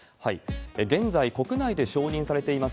現在、国内で承認されています